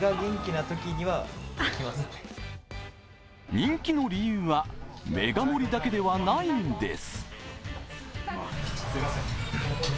人気の理由は、メガ盛りだけではないんです。